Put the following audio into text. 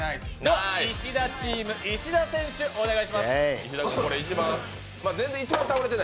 石田チーム、石田選手、お願いします。